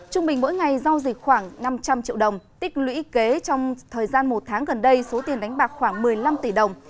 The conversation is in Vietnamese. trung bình mỗi ngày giao dịch khoảng năm trăm linh triệu đồng tích lũy kế trong thời gian một tháng gần đây số tiền đánh bạc khoảng một mươi năm tỷ đồng